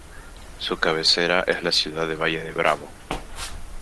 Su cabecera es la ciudad de Valle de Bravo.